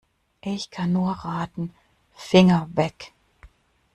Ich kann nur raten: Finger weg!